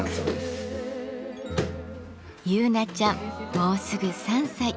もうすぐ３歳。